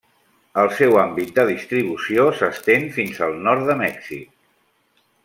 El seu àmbit de distribució s'estén fins al nord de Mèxic.